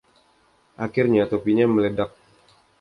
Akhirnya, topinya meledak.